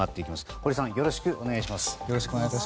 堀さん、よろしくお願いします。